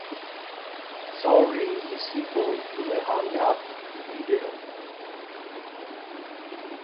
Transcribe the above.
Sorry is the sequel to the Hung-Up video.